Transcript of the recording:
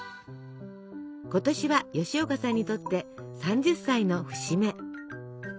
今年は吉岡さんにとって３０歳の節目。